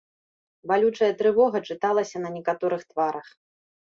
Балючая трывога чыталася на некаторых тварах.